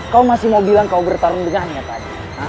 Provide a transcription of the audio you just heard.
kau masih mau bilang kau bertarung dengannya pak